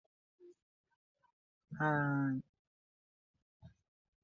The sets were designed by Bernard Hides and Bill Collyer.